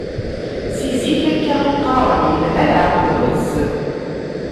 Si zik akka i qqaren, yelha leεqel d uḥezzeb.